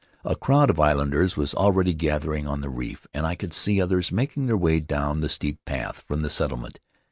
A crowd of islanders was already gathering on the reef, and I could see others making their way down the steep path from the settlement.